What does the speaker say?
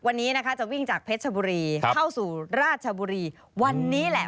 วันนี้นะคะจะวิ่งจากเพชรชบุรีเข้าสู่ราชบุรีวันนี้แหละ